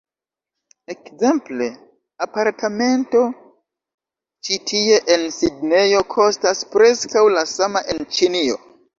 Ekzemple, apartamento ĉi tie en Sidnejo, kostas preskaŭ la sama en Ĉinio